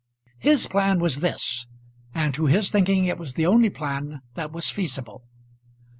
His plan was this; and to his thinking it was the only plan that was feasible.